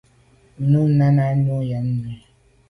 Nu Nana nu am à nu i.